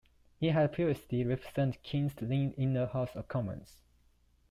He had previously represented King's Lynn in the House of Commons.